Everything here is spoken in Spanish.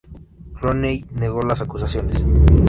Clooney negó las acusaciones.